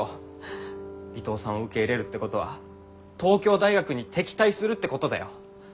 伊藤さんを受け入れるってことは東京大学に敵対するってことだよ？